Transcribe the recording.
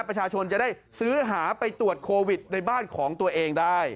ประชาชนจะได้ซื้อหาไปตรวจโควิดในบ้านของตัวเองได้